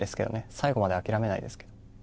最後まで諦めないですけど。